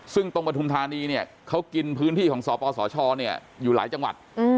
ซึ่งตรงปฐุมธานีเนี่ยเขากินพื้นที่ของสปสชอยู่หลายจังหวัด